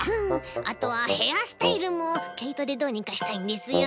あとはヘアスタイルもけいとでどうにかしたいんですよね。